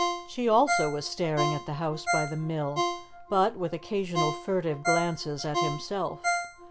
She also was staring at the house by the mill, but with occasional furtive glances at himself.